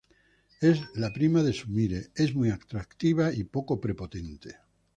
Es la prima de Sumire, es muy atractiva y un poco prepotente.